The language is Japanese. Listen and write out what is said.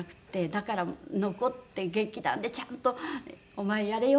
だから残って劇団でちゃんとお前やれよって。